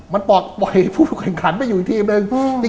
มันบอกปล่อยผู้แข่งขันไปอยู่ทีมนึงอืม